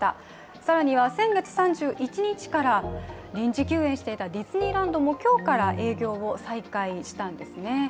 更には先月３１日から、臨時休園していたディズニーランドも今日から営業を再開したんですね。